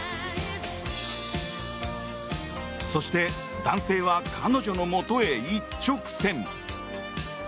そして、男性は彼女のもとへ一直線。